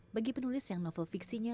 bagi penulis yang novel fiksinya